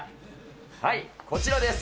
はい、こちらです。